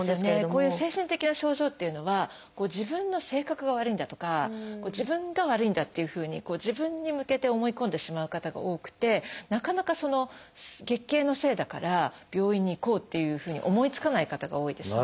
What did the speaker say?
こういう精神的な症状っていうのは自分の性格が悪いんだとか自分が悪いんだっていうふうに自分に向けて思い込んでしまう方が多くてなかなか月経のせいだから病院に行こうっていうふうに思いつかない方が多いですね。